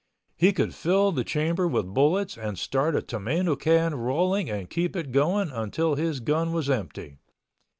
He could fill the chamber with bullets and start a tomato can rolling and keep it going until his gun was empty.